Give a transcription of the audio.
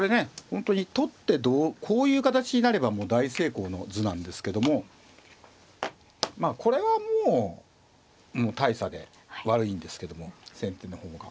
本当に取ってこういう形になれば大成功の図なんですけどもまあこれはもう大差で悪いんですけども先手の方が。